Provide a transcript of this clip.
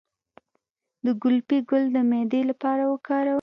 د ګلپي ګل د معدې لپاره وکاروئ